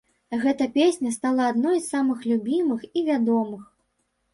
Гэта песня стала адной з самых любімых і вядомых.